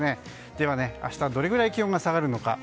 では、明日どれくらい気温が下がるのか。